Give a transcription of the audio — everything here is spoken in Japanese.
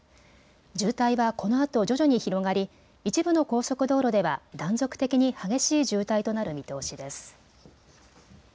渋滞はこのあと徐々に広がり一部の高速道路では断続的に激しい渋滞となる見通しです。